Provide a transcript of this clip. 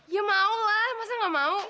ya mau lah masa gak mau